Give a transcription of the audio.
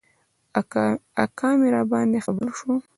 اکا مي راباندي خبر شو .